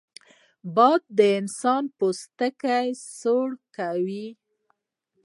باد د انسان پوستکی ساړه کوي